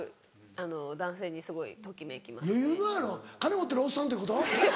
金持ってるおっさんっていうこと？